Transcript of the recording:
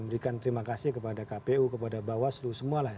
memberikan terima kasih kepada kpu kepada bawaslu semua lah